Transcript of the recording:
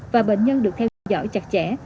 và bệnh nhân được theo dõi chặt chẽ